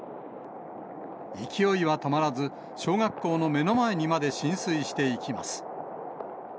勢いは止まらず、小学校の目の前にまで浸水していきます。